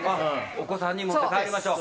お子さんに持って帰りましょう。